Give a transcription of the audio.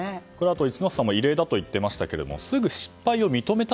一之瀬さんも異例だと言っていましたけれどもすぐ失敗を認めた。